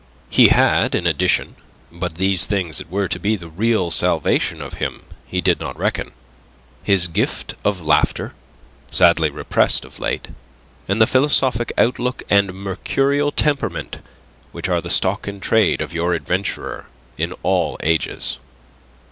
He had, in addition but these things that were to be the real salvation of him he did not reckon his gift of laughter, sadly repressed of late, and the philosophic outlook and mercurial temperament which are the stock in trade of your adventurer in all ages.